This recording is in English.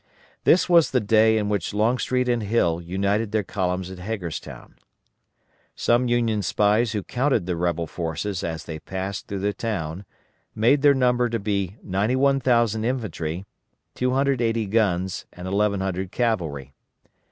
This was the day in which Longstreet and Hill united their columns at Hagerstown. Some Union spies who counted the rebel forces as they passed through the town made their number to be 91,000 infantry, 280 guns and 1,100 cavalry.